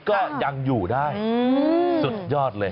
ก็ยังอยู่ได้สุดยอดเลย